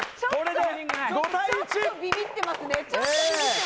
ちょっとビビってますね。